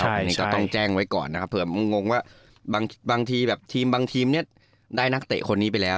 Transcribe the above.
อันนี้ก็ต้องแจ้งไว้ก่อนนะครับเผื่องงว่าบางทีแบบทีมบางทีมเนี่ยได้นักเตะคนนี้ไปแล้ว